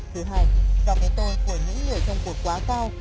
thứ hai gặp người tôi của những người trong cuộc quá cao